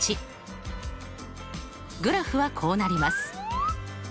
グラフはこうなります。